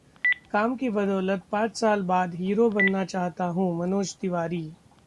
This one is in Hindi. काम की बदौलत पांच साल बाद हीरो बनना चाहता हूं: मनोज तिवारी